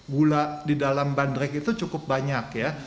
gula di dalam bandrek itu cukup banyak ya